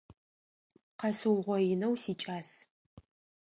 Къэсыугъоинэу сикӏас.